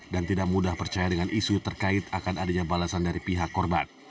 dan tidak mudah percaya dengan isu terkait akan adanya balasan dari pihak korban